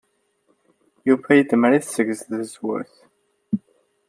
Yuba idemmer-it seg tzewwut.